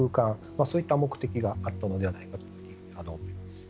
そういった目的があったのではないかと思います。